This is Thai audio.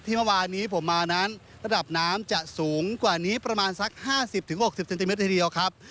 ที่เมื่อวานี้ผมมานั้นระดับน้ำจะสูงกว่านี้ประมาณสักห้าสิบถึงหกสิบเซนติเมตรทีเดียวครับ